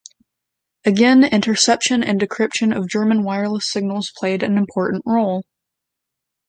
Again, interception and decryption of German wireless signals played an important role.